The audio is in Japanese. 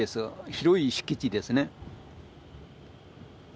広い敷地ですね。